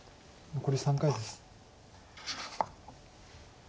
残り３回です。